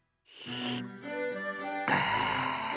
ああ。